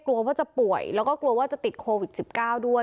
กลัวว่าจะป่วยแล้วก็กลัวว่าจะติดโควิด๑๙ด้วย